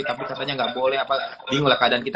tapi katanya gak boleh apa bingung lah keadaan kita